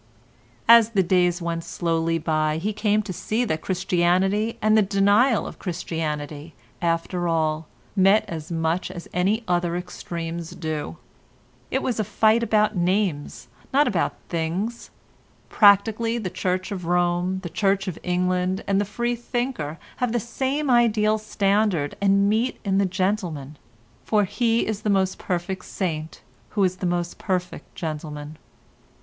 As the days went slowly by he came to see that Christianity and the denial of Christianity after all met as much as any other extremes do; it was a fight about names—not about things; practically the Church of Rome, the Church of England, and the freethinker have the same ideal standard and meet in the gentleman; for he is the most perfect saint who is the most perfect gentleman.